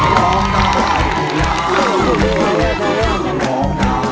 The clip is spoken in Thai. ร้องได้หรือว่า